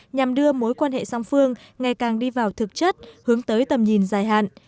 nhằm đưa mối quan hệ song phương ngày càng đi vào thực chất hướng tới tầm nhìn dài hạn